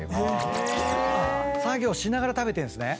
作業しながら食べてんすね。